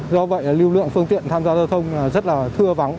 do vậy lưu lượng phương tiện tham gia giao thông rất là thưa vắng